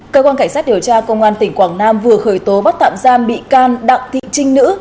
cơ quan cảnh sát điều tra công an tp hcm vừa khởi tố bắt tạm giam bị can đặng thị trinh nữ